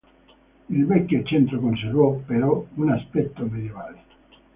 Il vecchio centro conservò, però, un aspetto medioevale.